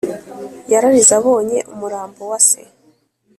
yararize abonye umurambo wa se.